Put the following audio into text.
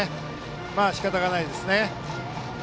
しかたがないですね。